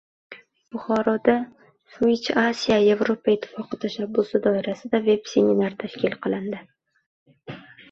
Buxoroda "Switch Asia" Yevropa Ittifoqi tashabbusi doirasida veb-seminar tashkil qilindi